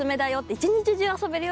一日中遊べるよ